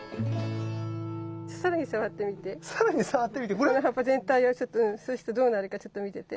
この葉っぱ全体をそうするとどうなるかちょっと見てて。